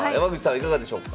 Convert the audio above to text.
いかがでしょうか？